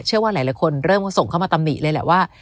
เชื่อว่าหลายคนเริ่มส่งเข้ามาตำหนิเลยแหละว่า